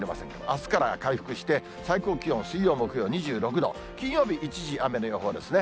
あすから回復して、最高気温、水曜、木曜、２６度、金曜、一時雨の予報ですね。